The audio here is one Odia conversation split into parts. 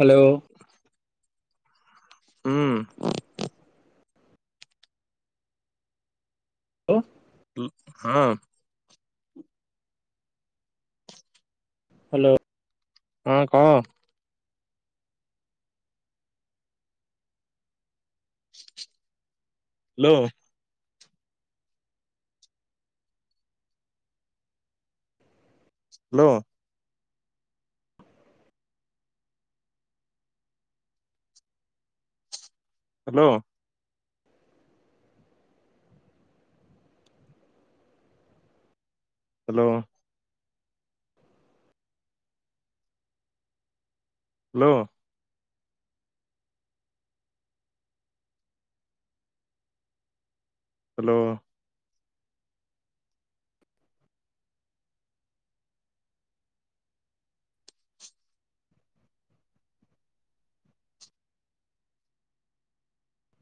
ହ୍ୟାଲୋ! ହୁଁ, ଓ! ଲୁ ହଁ। ହାଲୋ! ହଁ କହ। ଲୋ! ଲୋ, ହ୍ୟାଲୋ! ହ୍ୟାଲୋ! ଲୋ, ହାଲୋ!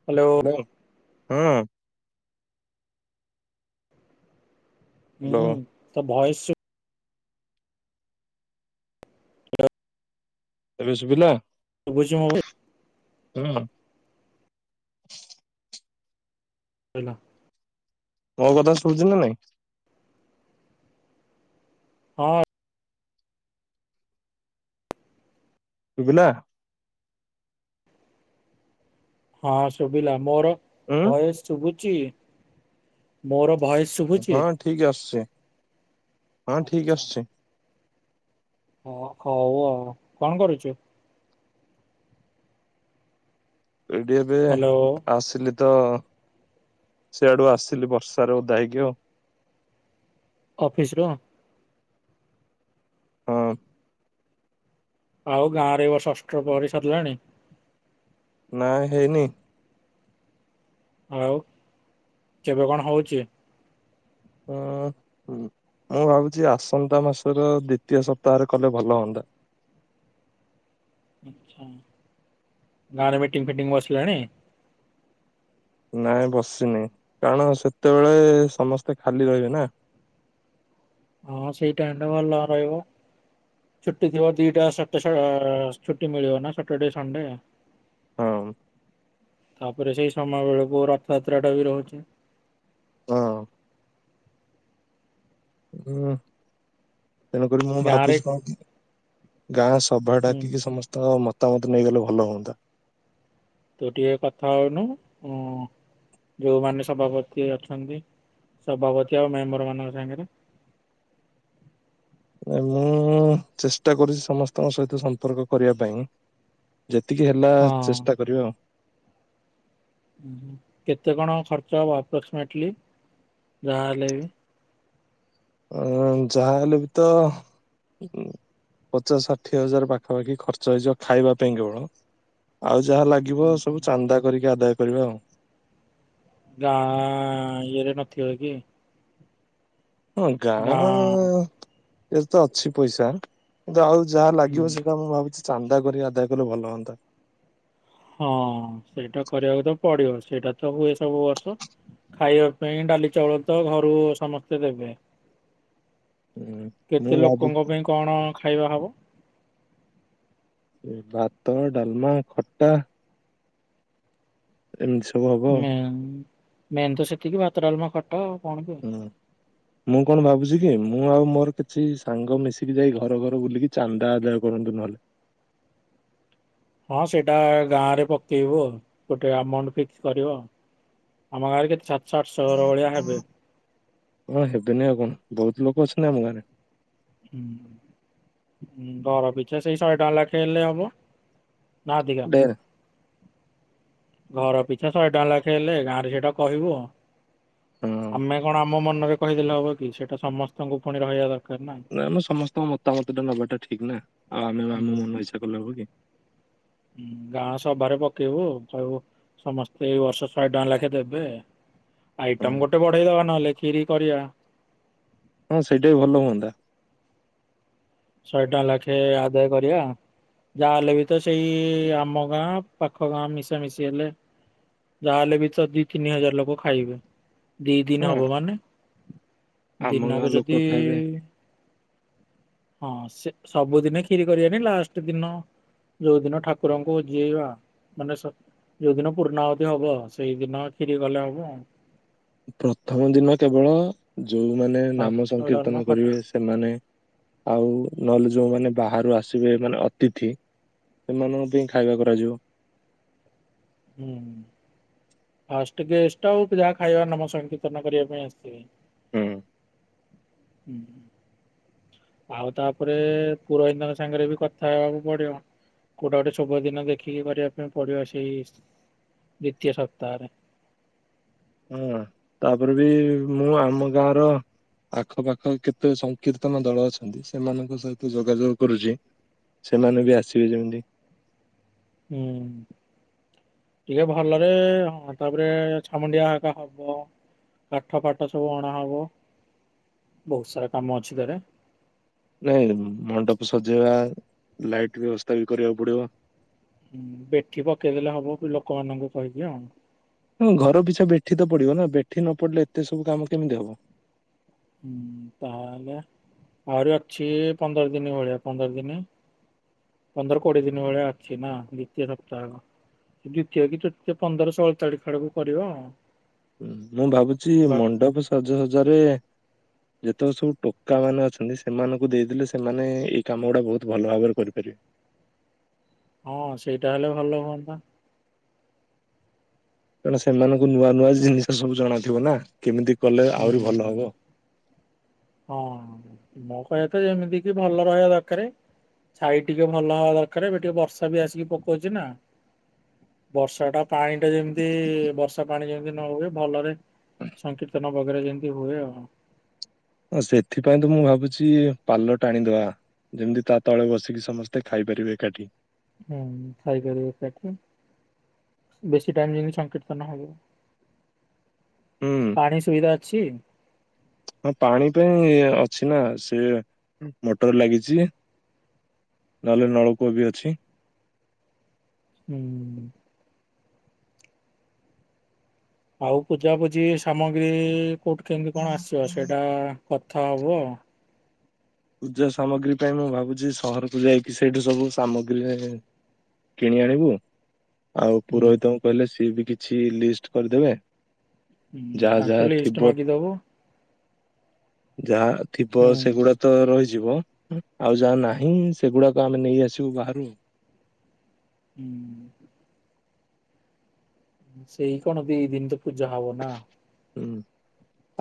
ହ୍ୟାଲୋ! ହଁ। ହୁଁ, ହ୍ୟାଲୋ ତ ଭଏସ ଶୁ ଏବେ ଶୁଭିଲା? ଶୁଭୁଚି ମୋଭେ ହୁଁ। ହେଲା। ମୋ କଥା ଶୁଭୁଚି ନା ନାଇଁ? ହଁ। ଶୁଭିଲା? ହଁ ଶୁଭିଲା ମୋର ଉଁ ଭଏସ ଶୁଭୁଛି? ମୋର ଭଏସ୍ ଶୁଭୁଛି? ହଁ ଠିକ ଆସୁଛି ହଁ ଠିକ ଅଛା! ଆସୁଛି ଓ ହଉ ଆଉ କଣ କରୁଚୁ? ଏଇଠି ଏବେ ହ୍ୟାଲୋ ଆସିଲି। ତ ସେଆଡୁ ଆସିଲି ବର୍ଷାରେ ଓଧା ହେଇକି ଆଉ। ଅଫିସରୁ? ହଁ। ଆଉ ଗାଁ ରେ ଏବର୍ଷ ଅଷ୍ଟପ୍ରହରୀ ସରିଲାଣି? ନା ହେଇନି। ଆଉ କେବେ କଣ ହଉଛି? ହୁଁ ହୁ। ମୁଁ ଭାବୁଛି ଆସନ୍ତା ମାସର ଦ୍ଵିତୀୟ ସପ୍ତାହରେ କଲେ, ଭଲ ହଅନ୍ତା। [unintelligible] ଆଛା! ଗାଁରେ ମିଟିଙ୍ଗ ଫିଟିଙ୍ଗ ବସିଲାଣି? ନାଇଁ ବସିନି କାରଣ ସେତେବେଳେ ସମସ୍ତେ ଖାଲି ରହିବେ ନା। [unintelligible] ହଁ ସେଇଟା ଟାଣ୍ଡ ଭଲ ରହିବ। ଛୁଟି ଥିବା ଦିଇଟା ସଟେ ସ ଅ ଛୁଟି ମିଳିବ ନା ସଟରଡେ ସଣ୍ଡେ। ହଁ। ତାପରେ ସେଇ ସମୟ ବେଳକୁ ରଥଯାତ୍ରା ଟା ବି ରୋହୁଛି। ହଁ ହୁଁ। ତେଣୁକରି ମୁଁ ଗାଁରେ ଭାବୁଛି କଣ କି ଗାଁ ସଭା ହୁଁ ଡାକିକି ସମସ୍ତଙ୍କ ମତ ମତାମତ ନେଇଗଲେ ଭଲ ହୁଅନ୍ତା। ତୁ ଟିକେ କଥା ହୋଉନୁ ହୁଁ। ଯୋଉମାନେ ସଭାପତି ଅଛନ୍ତି ସଭାପତି ଆଉ ମେମ୍ବର ମାନଙ୍କ ସାଙ୍ଗରେ। [unintelligible] ମ୍ୟାମ ମୁଁ ଚେଷ୍ଟା କରୁଚି ସମସ୍ତଙ୍କ ସହିତ ସମ୍ପର୍କ କରିବା ପାଇଁ ଯେତିକି ହେଲା ହଁ। ଚେଷ୍ଟା କରବା ଆଉ। ହୁଁ ହୁଁ କେତେ କଣ ଖର୍ଚ୍ଚ ହବ ଆପ୍ରକ୍ସମେଟଲ୍ଲୀ ଯାହାହଲେ ବି? ଉଁ ଯାହାଲେ ବି ତ ପଚାଶ ଷାଠିଏ ହଜାର ପାଖାପାଖି ଖର୍ଚ୍ଚ ହେଇଯିବ ଖାଇବା ପାଇଁ କେବଳ ଆଉ ଯାହା ଉଁ ଲାଗିବ ହୁଁ। ସବୁ ଚାନ୍ଦା କରିକି ଆଦାୟ କରିବା ଆଉ। ଗାଁଆ ଆ ଇଏରେ କନଥିବ କି? ହଁ ଗାଁଆ ଆ ଗାଁ ରେ ତ ଅଛି ପଇସା କିନ୍ତୁ ଆଉ ଯାହା ହୁଁ। ଲାଗିବ ସେଇଟା ମୁଁ ଭାବୁଛି ଚାନ୍ଦା କରି ଆଦାୟ କଲେ ଭଲ ହୁଅନ୍ତା। ହଁ ସେଇଟା କରିବାକୁ ତ ପଡିବ ସେଇଟା ତ ହୁଏ ସବୁ ବର୍ଷ। ଖାଇବା ପାଇଁ ଡାଲି ଚାଉଳ ତ ଘରୁ ସମସ୍ତେ ଦେବେ ହୁଁ ମୁଁ କେତେ ଭାବୁଛି ଲୋକଙ୍କ ପାଇଁ କଣ ଖାଇବା ହବ? ଭାତ, ଡାଲମା, ଖଟା ଏମିତି ସବୁ ହବ ଆଉ। ମେନ୍ ମେନ୍ ତ ସେତିକି ଭାତ ଡାଲମା ଖଟା କଣ କି? ହୁଁ ମୁଁ କଣ ଭାବୁଚି କିଏ ମୁଁ ଆଉ ମୋର କିଛି ସାଙ୍ଗ ମିଶିକି ଯାଇ ଘର ଘର ବୁଲିକି ଚାନ୍ଦା ଆଦାୟ କରନ୍ତୁ ନହେଲେ। [unintelligible] ହଁ ସେଇଟା ଗାଁ ରେ ପକେଇବୁ ଆଉ ଗୋଟେ ଆମାଉଣ୍ଟ ଫିକ୍ସ କରିବ। ଆମ ଗାଁରେ କେତେ ଛା [inaudible] କଣ ହେବେନି ଆଉ କଣ ବହୁତ ଲୋକ ଅଛନ୍ତି ଆମ ଗାଁରେ। ହୁଁ ଘର ପିଛା ସେଇ ଶହେ ଟଙ୍କା ଲେଖେ ହେଲେ ହବ। ନା ଅଧିକା ଢେର ଘର ପିଛା ଶହେ ଟଙ୍କା ଲେଖେ ହେଲେ ଗାଁରେ ସେଇଟା କହିବୁ ହଁ। ଆମେ କଣ ଆମ ଆମ ମନରେ କହିଦେଲେ ହବ କି ସେଇଟା ସମସ୍ତଙ୍କୁ ପୁଣି ରହିବା ଦରକାର ନା। ନାଇଁମ ଆମେ ସମସ୍ତଙ୍କ ମତାମତ ଟା ନବାଟା ଠିକ୍ ନା ଆଉ ଆମେ ଆମ ମନ ଇଚ୍ଛା କଲେ ହବ କି? ହୁଁ ଗାଁ ସଭାରେ ପକେଇବୁ କହିବୁ ସମସ୍ତେ ଏଇ ବର୍ଷ ଶହେ ଟଙ୍କା ଲାଖେ ଦେବେ ହଁ। ଆଇଟମ ଗୋଟେ ବଢେଇ ଦବା ନହେଲେ ଖିରୀ କରିବା। ହଁ ସେଇଟା ବି ଭଲ ହୁଅନ୍ତା। ଶହେ ଟଙ୍କା ଲାଖେ ଆଦାୟ କରିବା। ଯାହାହଲେ ବି ତ ସେଇ ଆମ ଗାଁ ପାଖ ଗାଁ ମିଶାମିଶି ହେଲେ। ଯାହେଲେ ବି ତ ଦି ତିନି ହଜାର ଲୋକ ଖାଇବେ ଦି ଦିନ ହଁ ହବ ମାନେ। ଆମ ଗାଁ ଦିନକୁ ଲୋକ ଯଦି ଖାଇବେ ଇ ହଁ ସେ ସବୁଦିନେ ଖିରୀ କରିବାନି ଲାଷ୍ଟ ଦିନ ଯୋଉଦିନ ଠାକୁରଙ୍କୁ ଜିଏଇବା ମାନେ ସ ଯୋଉଦିନ ପୂର୍ଣ୍ଣଆହୁତି ହବ ସେଇଦିନ ଖିରୀ କଲେ ହବ। ପ୍ରଥମ ଦିନ କେବଳ ଯୋଉମାନେ ଭାତ ନାମ ଡାଲମା ସଂକୀର୍ତ୍ତନ ଖଟା କରିବେ ସେମାନେ ଆଉ ନହେଲେ ଯୋଉ ମାନେ ବାହାରୁ ଆସିବେ ମାନେ ଅତିଥି। ସେମାନଙ୍କ ପାଇଁ ଖାଇବା କରାଯିବ। ହୁଁ ହଁ। ଫାଷ୍ଟ ଗେଷ୍ଟ ଆଉ ଯାହା ଖାଇବା ନାମ ସଂକୀର୍ତନ କରିବା ପାଇଁ ଆସିଥିବେ। ହୁଁ। ହୁଁ। ଆଉ ତାପରେ ପୁରୋହିତ ସାଙ୍ଗରେ ବି କଥା ହେବାକୁ ପଡିବ। କୋଉଟା ଗୋଟେ ସୁଭ ଦିନ ଦେଖିକି କରିବା ପାଇଁ ପଡିବ ସେଇ ଦ୍ଵିତିୟ ସପ୍ତାହରେ। ହଁ ତାପରେ ବି ମୁଁ ଆମ ଗାଁର ଆଖପାଖ କେତେ ସଂକୀର୍ତ୍ତନ ଦଳ ଅଛନ୍ତି ସେମାନଙ୍କ ସହିତ ଯୋଗାଯୋଗ କରୁଛି। ସେମାନେ ବି ଆସିବେ ଯେମିତି। ହୁଁ। ଟିକେ ଭଲରେ ହଁ ତାପରେ ଛାମୁଣ୍ଡିଆ ହବ। କାଠ ଫାଠ ସବୁ ଅଣା ହବ ବହୁତ ସାରା କାମ ଅଛି ଘରେ। ନାଇଁ ମଣ୍ଡପ ସଜେଇବା ଲାଇଟ୍ ବ୍ୟବସ୍ଥା ବି କରିବାକୁ ପଡିବ। ହୁଁ ବେଠି ପକେଇଦେଲେ ହବ ଲୋକମାନଙ୍କୁ କହିଦିଅ। ହ ଘର ପିଛା ବେଠି ତ ପଡିବ ନା ବେଠି ନ ପଡିଲେ ଏତେ ସବୁ କାମ କେମିତି ହବ। ହୁଁ ତାହଲେ। ଆହୁରି ଅଛି ପନ୍ଦର ଦିନ ଭଳିଆ ପନ୍ଦର ଦିନ। ପନ୍ଦର କୋଡିଏ ଦିନ ଭଳିଆ ଅଛି ନା ଦ୍ଵିତୀୟ ସପ୍ତାହର। ଦ୍ଵିତୀୟ କି ତୃତୀୟ ପନ୍ଦର ଷୋହଳ ତାରିଖ ଆଡ଼କୁଖଡକୁ କରିବ ଆଉ। ମୁଁ ଭାବୁଛି ବଟ୍ ମଣ୍ଡପ ସଜାସଜାରେ ଯେତେବେଳେ ସବୁ ଟୋକା ମାନେ ଅଛନ୍ତି ସେମାନଙ୍କୁ ଦେଇଦେଲେ ସେମାନେ ଏଇ କାମ ଗୁଡା ବହୁତ ଭଲ ଭାବରେ କରିପାରିବେ। ହଁ ସେଇଟା ହେଲେ ଭଲ ହୁଅନ୍ତା। କଣ ସେମାନଙ୍କୁ ନୂଆ ନୂଆ ଜିନିଷ ସବୁ ଜଣାଥିବ ନା କେମିତି। କଲେ ହୁଁ ଆହୁରି ଭଲ ହବ ହଁ। କହିବା କଥା ଯେମିତି କି ଭଲ ରହିବା ଦରକାରେ। ଛାଇ ଟିକେ ଭଲ ହବା ଦରକାର ଏବେ ଟିକେ ବର୍ଷା ବି ଆସିକି ପକଉଛି ନା। ବର୍ଷା ଟା ପାଣି ଟା ଯେମିତି ବର୍ଷା ପାଣି ଯେମିତି ନ ହୁଏ ଭଲରେ। ସଂକୀର୍ତ୍ତନ ଭଲରେ ଯେମିତି ହୁଏ ଆଉ। ସେଥିପାଇଁ ତ ମୁଁ ଭାବିଛି ପାଲ ଟାଣିଦବା। ଯେମିତି ତା ତଳେ ବସିକି ସମସ୍ତେ ଖାଇପାରିବେ ଏକାଠି। ହୁଁ ଖାଇପରିବେ ତାକୁ। ବେଶୀ ଟାଇମ ଯେମିତି ସଂକୀର୍ତ୍ତନ ହବ। ହୁଁ ପାଣି ସୁବିଧା ଅଛି। ହଁ ପାଣି ତ ଅଛି ନା ସେ ମୋଟର ଲାଗିଛି। ନହେଲେ ନଳକୂଅ ବି ଅଛି। ହୁଁ ଉଁ। ଆଉ ପୂଜାପୂଜି ସାମଗ୍ରୀ କୋଉଠୁ କେମତି କଣ ଆସିିବ ସେଇଟା କଥା ହବୁ। ପୂଜା ସାମଗ୍ରୀ ପାଇଁ, ମୁଁ ଭାବୁଛି ସହରକୁ ଯାଇକି ସେଇଠୁ ସବୁ ସାମଗ୍ରୀ କିଣି ଆଣିବୁ ଆଉ ହୁଁ ପୁରୋହିତଙ୍କୁ କହିଲେ ସିଏ ବି କିଛି ଲିଷ୍ଟ କରିଦେବେ। ହୁଁ ଯାହା ଯାହା ତାଙ୍କୁ ଥିବ ଲିଷ୍ଟ ମାଗିଦବ। ଯାହା ଥିବ ସେଗୁଡା ତ ରହିଯିବ ଆଉ ଯାହା ନାହିଁ ସେଗୁଡାକ ଆମେ ନେଇ ଆସିବୁ ବାହାରୁ। ହୁଁଉଁ। ସେଇ କଣ ଦି ଦିନ ତ ପୂଜା ହବ ନା। ହୁଁ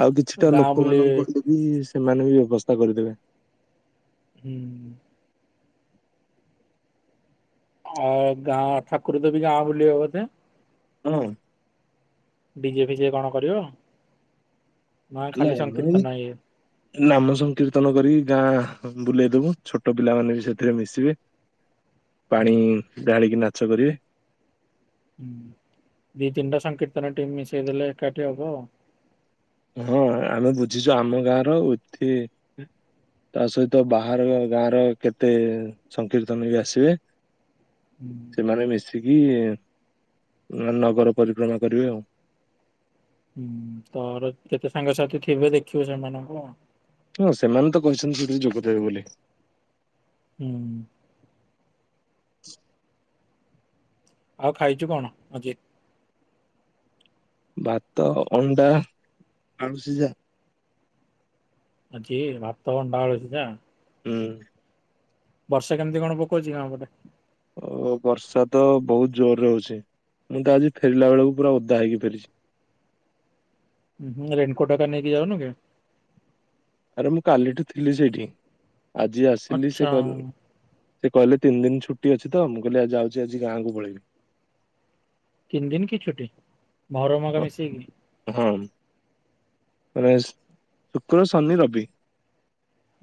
ଆଉ କିଛିଟା ଗାଁ ଲୋକ ବୁଲି ମାନଙ୍କୁ କହିଦେବି ସେ ସେମାନେ ବି ବ୍ୟବସ୍ଥା କରିଦେବେ। ହୁଁ। ଅଉ ଗାଁ ଠାକୁର ଦେବି ଗାଁ ବୁଲିବେ ବୋଧେ? [unintelligible] ଡିଜେ ଫିଜେ କଣ କରିବ ନା ଖାଲି ନାଇଁ ମୁଁ ସଂକୀର୍ତ୍ତନ ଇଏ? ନାମ ସଂକୀର୍ତ୍ତନ କରିକି ଗାଁ ବୁଲେଇ ଦବୁ ଛୋଟ ପିଲାମାନେ ବି ସେଥିରେ ମିଶିବେ। ହୁଁ ପାଣି ଢାଳିକି ନାଚ କରିବେ। ହୁଁ ଦି ତିନିଟା ସଂକୀର୍ତ୍ତନ ଟିମ୍ ମିଶେଇ ଦେଲେ ଏକାଠି ହବ ଆଉ। ହଁ ଆମେ ବୁଝିଚୁ ଆମ ଗାଁର ଉଥି ତା ସହିତ ବାହାରର ଗାଁର କେତେ ସଂକୀର୍ତ୍ତନ ବି ଆସିବେ। ହୁଁ ସେମାନେ ମିସି କି ଏ ନ-ନଗର ପରିକ୍ରମା କରିବେ ଆଉ। ହୁଁ ତମର କେତେ ସାଙ୍ଗସାଥି ଥିବେ ଦେଖିବ ସେମାନଙ୍କୁ ଆଉ। ହଁ ସେମାନେ ତ କହିଛନ୍ତି ସେଥିରେ ଯୋଗଦେବେ ବୋଲି। ହୁଁ। ଆଉ ଖାଇଚୁ କଣ ଆଜି? ଭାତ, ଅଣ୍ଡା, ଆଳୁସିଜା। ଆଜି ଭାତ ଅଣ୍ଡା ଆଳୁ ସିଜ। ହୁଁ। ବର୍ଷା କେମିତି କଣ ପକୋଉଚି ଗାଁ ପଟେ? ଓ ବର୍ଷା ତ ବୋହୁତ ଜୋରରେ ହୋଉଚି। ମୁଁ ତ ଆଜି ଫେରିଲା ବେଳକୁ ପୁରା ଓଦା ହେଇକି ଫେରିଚି। ହୁଁ ହୁଁ ରେନକୋଟ ହେରିକା ନେଇକି ଯାଉନୁ କି? ଆରେ ମୁଁ କାଲିଠୁ ଥିଲି ସେଇଠି। ଆଜି ଆସିଲି ସେ ଆଚ୍ଛା କ‌ ସେ କହିଲେ ତିନି ଦିନି ଛୁଟି ଅଛି ତ। ମୁଁ କହିଲି ଆଜି ଯାଉଚି ଆଜି ଗାଁକୁ ପଳେଇବି। ତିନ ଦିନି କି ଛୁଟି? ମହରମ୍ ହେରିକା ହଁ [unintelligible] ମିଶେଇକି? ରେଷ ଶୁକ୍ର, ଶନି, ରବି।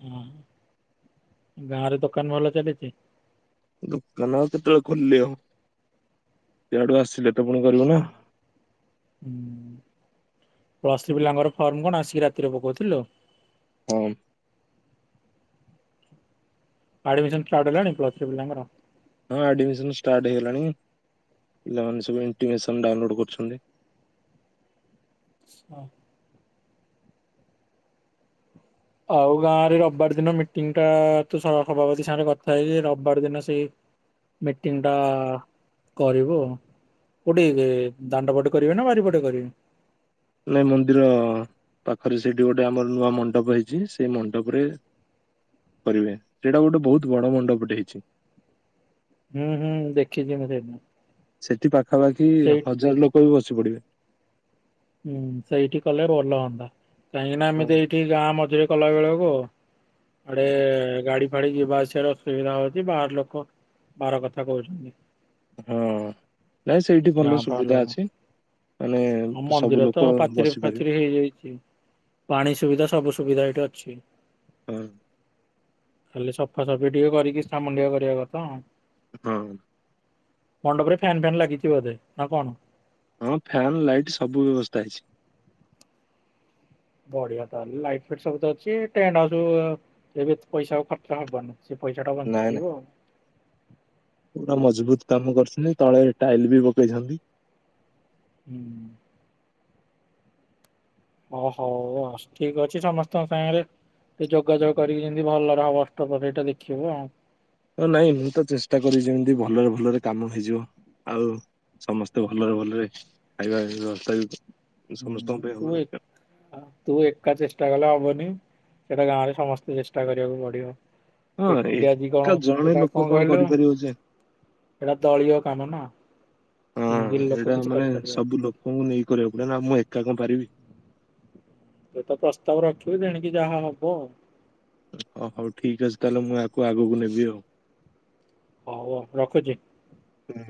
ହଁ ଗାଁରେ ଦୋକାନ ଭଲ ଚାଲିଚି? ଦୋକାନ ଆଉ କେତେବେଳେ ଖୋଲିବ? ଇୟାଡୁ ଆସିଲେ ତ ଫୁଣି କରିବ ନା। ହୁଁ ପ୍ଲସଥ୍ରୀ ପିଲାଙ୍କର ଫର୍ମ କଣ ଆସିକି ରାତିରେ ପକୋଉଥୁଲୁ? ହଁ। ଆଡମିଶନ ଷ୍ଟାର୍ଟ ହେଲାଣି ପ୍ପ୍ଲସ୍ ଥ୍ରୀ ପିଲାଙ୍କର? ହଁ ଆଡମିଶନ ଷ୍ଟାର୍ଟ ହେଇଗଲାଣି। ପିଲାମାନେ ସବୁ ଇଣ୍ଟିମେଶନ ଡାଉନଲୋଡ କରୁଛନ୍ତି। ‌ହଁ। ଆଉ ଗାଁରେ ରବିବାର ଦିନ ମିଟିଂ ଟା ତୁ ସହ ସଭାପତି ସାଙ୍ଗରେ କଥା ହେଇ ରବିବାର ଦିନ ସେଇ ମିଟିଂ ଟା କରିବୁ ଆଉ। କୋଉଠି ଏ ଦାଣ୍ଡ ପଟେ କରିବେ ନା ବାରିପଟେ କରିବେ? ନାଇଁ ମନ୍ଦିର ପାଖରେ ସେଇଠି ଗୋଟେ ଆମର ନୂଆ ମଣ୍ଡପ ହେଇଛି ସେଇ ମଣ୍ଡପରେ। କରିବେ ସେଇଟା ଗୋଟେ ବହୁତ ବଡ ମଣ୍ଡପଟେ ହେଇଛି। ହୁଁ ହୁଁ ଦେଖିଛି ମୁ ସେଇଦିନ। ସେଠି ପାଖାପାଖି ସେଇ ହଜାର ଲୋକ ବି ବସି ପଡିବେ। ହୁଁ ସେଇଠି କଲେ ଭଲ ହନ୍ତା। କାହିଁକିନା ଆମେ ହଁ। ତ ଏଇଠି ଗାଁ ମଝିରେ କଲା ବେଳକୁ ଆଡେ ଗାଡି ଫାଡି ଯିବା ଆସିବାର ଅସୁବିଧା ହଉଛି। ବାହାର ଲୋକ ବାର କଥା କହୁଛନ୍ତି। ହଁ ନାଇଁ ସେଇଠି ଗାଁ ଭଲ ଫାଁ ସୁବିଧା ଲୋକ ଅଛି। ମାନେ ଆଉ ସବୁ ମନ୍ଦିର ଲୋକ ତ ପାଚିରି ବସି ପାରିବେ। ଫାଚିରି ହେଇଯାଇଛି। ପାଣି ସୁବିଧା ସବୁ ସୁବିଧା ଏଇଠି ଅଛି। ହୁଁ। ଖାଲି ସଫାସଫି ଟିକେ କରିକି ସାମୁନ୍‌ ଟିଏ କରିବା କଥା ଆଉ। ହୁଁ। ମଣ୍ଡପରେ ଫ୍ୟାନ୍ ଫ୍ୟନ୍ ଲାଗିଛି ବୋଧେ ନା କଣ? ହଁ ଫ୍ୟନ୍ ଲାଇଟ୍ ସବୁ ବ୍ୟବସ୍ଥା ଅଛି। [inaudible] ବଢିଆ ତାହଲେ ଲାଇଟ ଫଟ ସବୁ ଅଛି ଟେଣ୍ଟ ହାଉସ ଏ ପଇସା ଖର୍ଚ୍ଚ ହବନି। ସେ ପଇସା ଟା ବଞ୍ଚିଯିବ ଆଉ। ପୁରୁରା ମଜବୁତ କାମ କରୁଛନ୍ତି। ତଳେ ଟାଇଲ ବି ପକେଇଛନ୍ତି। [inaudible] ହୁଁ। ଓହୋ ଠିକ୍ ଅଛି। ସମସ୍ତଙ୍କ ସାଙ୍ଗରେ ସେ ଯୋଗାଯୋଗ କରିକି ଯେମିତି ଭଲରେ ହବ ଅଷ୍ଟ ପହଁରି ସେଇଟା ଦେଖିବ ଆଉ। ହ ନାଇଁ ମୁଁ ତ ଚେଷ୍ଟା କର ଯେମିତି ଭଲରେ ଭଲରେ କାମ ହେଇଯିବ। ଆଉ ସମସ୍ତେ ଭଲରେ ଭଲରେ ଖାଇବା ବ୍ୟବସ୍ଥାବି ହୁଁ ତୁ ତୁ ଏକା ଚେଷ୍ଟା କଲେ ହବନି। ସେଇଟା ଗାଁ ରେ ସମସ୍ତେ ଚେଷ୍ଟା କରିବାକୁ ପଡିବ। ହଁ ଏକୁଟି ଆଜି କଣ ଏକା ଜଣେ ସେଇଟା ଲୋକ କଣ କହିଲ କରିପାରିବ ଯେ [inaudible] ଏଟା ଦଳୀୟ କାମ ନା [inaudible] ହଁ ଲୋକ ଏଇଟା କିଛି ମାନେ କରିପାରିବନି ସବୁ ଲୋକଙ୍କୁ ନେଇ କରିବାକୁ ପଡେ ନା ମୁଁ ଏକା କଣ ପାରିବି। ଏ ତ ପ୍ରସ୍ତାବ ରଖିବି ଦେଣିକି ଯାହା ହବ ଆଉ ଓ ହଉ ଠିକ ଅଛି ତାହେଲେ ମୁଁ ଆକୁ ଆଗକୁ ନେବି ଆଉ ହଉ ହଉ ରଖୁଛି। ହୁଁ।